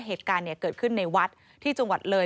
เหตุการณ์เกิดขึ้นในวัดที่จังหวัดเลย